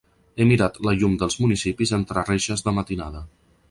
He mirat la llum dels municipis entre reixes de matinada.